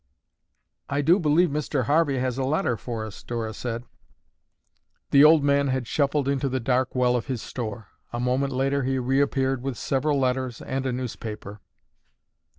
"I do believe Mr. Harvey has a letter for us," Dora said. The old man had shuffled into the dark well of his store. A moment later he reappeared with several letters and a newspaper.